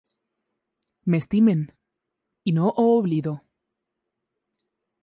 M'estimen, i no ho oblido.